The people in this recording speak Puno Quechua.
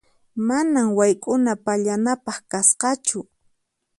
Manan wayk'una pallanapaq kasqachu.